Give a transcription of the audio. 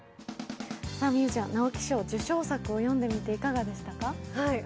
美羽ちゃん、直木賞受賞作を読んでみていかがでしたか？